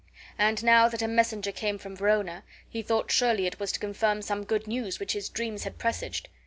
And now that a messenger came from Verona, he thought surely it was to confirm some good news which his dreams had presaged.